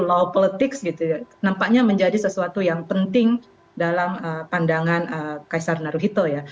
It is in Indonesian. bahwa politik nampaknya menjadi sesuatu yang penting dalam pandangan kaisar naruhito